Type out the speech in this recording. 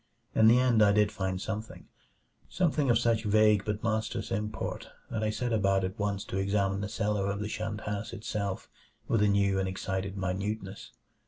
In the end I did find something; something of such vague but monstrous import that I set about at once to examine the cellar of the shunned house itself with a new and excited minuteness.